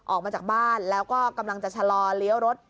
ออกมาจากบ้านแล้วก็กำลังจะชะลอเลี้ยวรถ